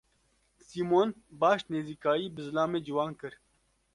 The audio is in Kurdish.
Sîmon baş nêzîkayî bi zilamê ciwan kir.